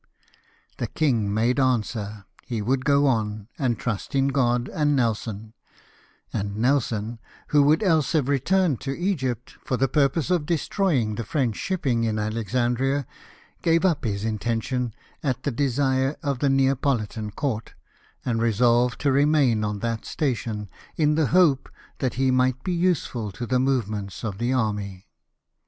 The king made answer he would go on, and trust in God and Nelson ; and Nelson, who would else have returned to Egypt, for the purpose of destroying the French shipping in Alexandria, gave up his intention at the desire of the Neapolitan Court, and resolved to remain on that station, in the hope that he might be useful to the movements of the army.